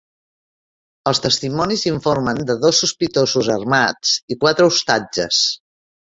Els testimonis informen de dos sospitosos armats i quatre ostatges.